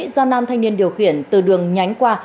do nam thanh niên điều khiển từ đường nhánh qua